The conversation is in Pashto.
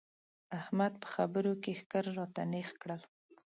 احمد په خبرو کې ښکر راته نېغ کړل.